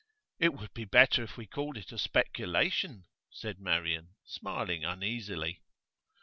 'It would be better if we called it a speculation,' said Marian, smiling uneasily.